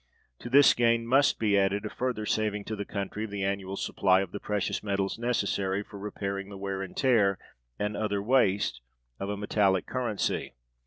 To this gain must be added a further saving to the country, of the annual supply of the precious metals necessary for repairing the wear and tear, and other waste, of a metallic currency.